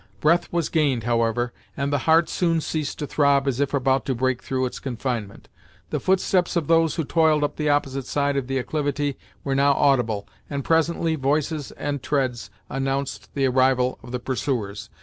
Breath was gained, however, and the heart soon ceased to throb as if about to break through its confinement. The footsteps of those who toiled up the opposite side of the acclivity were now audible, and presently voices and treads announced the arrival of the pursuers.